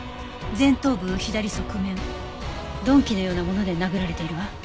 前頭部左側面鈍器のようなもので殴られているわ。